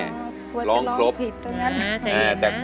กลัวจะร้องผิดตรงนั้น